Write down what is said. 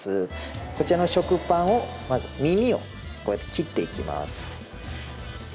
こちらの食パンをまず耳をこうやって切っていきます。